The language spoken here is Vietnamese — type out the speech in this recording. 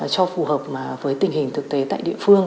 cho phù hợp với tình hình thực tế tại địa phương